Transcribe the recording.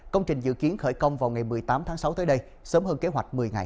công trình dự kiến khởi công vào ngày một mươi tám tháng sáu tới đây sớm hơn kế hoạch một mươi ngày